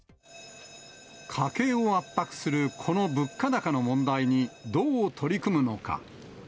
家計を圧迫するこの物価高の問題にどう取り組むのか。